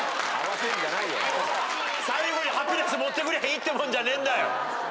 最後に「ハピネス」持ってくりゃいいってもんじゃねえんだよ。